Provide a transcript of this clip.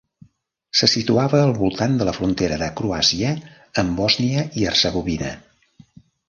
Se situava al voltant de la frontera de Croàcia amb Bòsnia i Hercegovina.